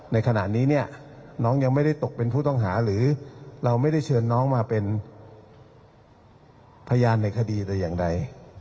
ในขณะนี้เนี่ยน้องยังไม่ได้ตกเป็นผู้ต้องหาหรือเราไม่ได้เชิญน้องมาเป็นพยานในคดีแต่อย่างใด